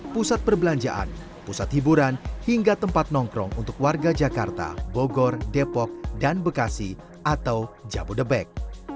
pusat perbelanjaan pusat hiburan hingga tempat nongkrong untuk warga jakarta bogor depok dan bekasi atau jabodebek